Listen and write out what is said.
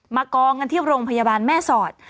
กองกันที่โรงพยาบาลแม่สอด